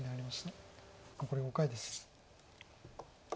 残り５回です。